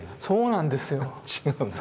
そうなんですよ。